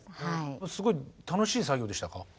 すごい楽しい作業でしたか？